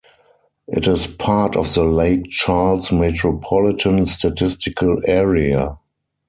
It is part of the Lake Charles Metropolitan Statistical Area.